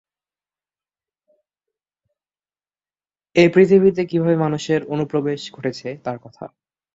এই পৃথিবীতে কীভাবে মানুষের অনুপ্রবেশ ঘটেছে, তার কথা।